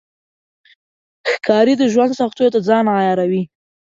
ښکاري د ژوند سختیو ته ځان عیاروي.